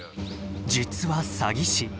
実は詐欺師。